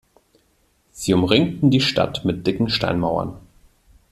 Sie umringten die Stadt mit dicken Steinmauern.